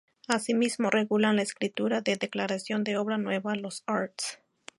Asimismo regulan la escritura de declaración de obra nueva, los arts.